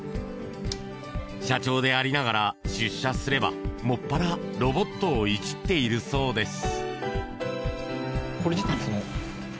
社長でありながら、出社すれば専らロボットをいじっているそうです。